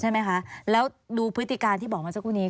ใช่ไหมคะแล้วดูพฤติการที่บอกมาสักครู่นี้